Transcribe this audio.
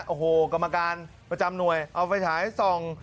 โอ้โหกรรมการประจำหน่วยเอาไฟฉายส่อง